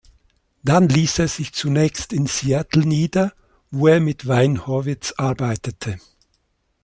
Dann ließ er sich zunächst in Seattle nieder, wo er mit Wayne Horvitz arbeitete.